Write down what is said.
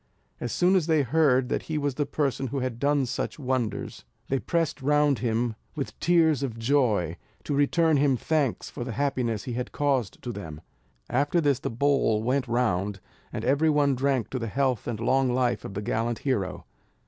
As soon as they heard that he was the person who had done such wonders, they pressed round him with tears of joy, to return him thanks for the happiness he had caused to them. After this the bowl went round, and every one drank to the health and long life of the gallant hero.